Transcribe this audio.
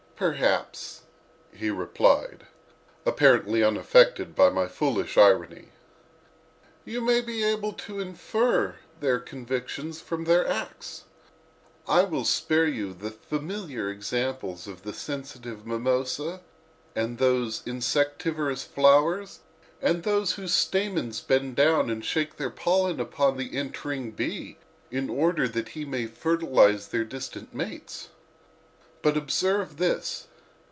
"Perhaps," he replied, apparently unaffected by my foolish irony, "you may be able to infer their convictions from their acts. I will spare you the familiar examples of the sensitive mimosa, the several insectivorous flowers and those whose stamens bend down and shake their pollen upon the entering bee in order that he may fertilize their distant mates. But observe this.